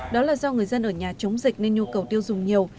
đó là do người dân ở nhà chống dịch nên nhu cầu tiêu dùng nhiều